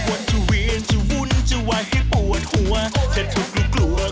เออเออเออ